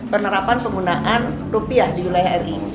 penerapan penggunaan rupiah di wilayah ri